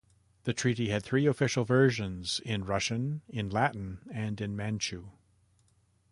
The treaty had three official versions, in Russian, in Latin and in Manchu.